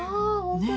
ねえ。